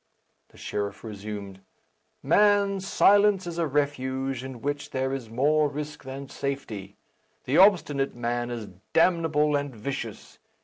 The sheriff resumed, "Man, silence is a refuge in which there is more risk than safety. The obstinate man is damnable and vicious.